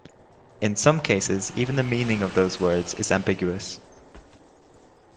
In some cases even the meaning of those words is ambiguous.